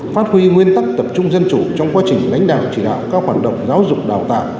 phát huy nguyên tắc tập trung dân chủ trong quá trình lãnh đạo chỉ đạo các hoạt động giáo dục đào tạo